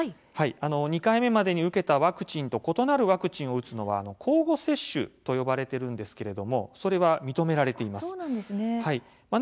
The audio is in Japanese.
２回目と３回目で異なるワクチンを打つというのは交互接種と呼ばれているんですけれどもそれは認められています。